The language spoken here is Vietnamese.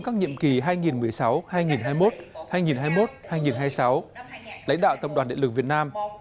các nhiệm kỳ hai nghìn một mươi sáu hai nghìn hai mươi một hai nghìn hai mươi một hai nghìn hai mươi sáu lãnh đạo tập đoàn điện lực việt nam